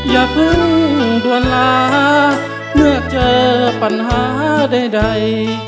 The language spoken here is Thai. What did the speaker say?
อย่าเพิ่งด่วนลาเมื่อเจอปัญหาใด